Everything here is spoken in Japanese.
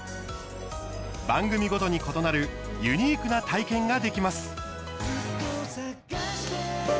番組ごとに異なるユニークな体験ができます。